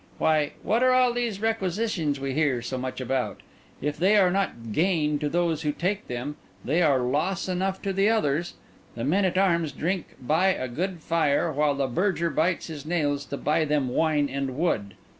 Why, what are all these requisitions we hear so much about? If they are not gain to those who take them, they are loss enough to the others. The men at arms drink by a good fire, while the burgher bites his nails to buy them wine and wood.